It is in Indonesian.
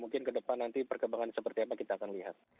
mungkin kedepan nanti perkembangan seperti apa kita akan lihat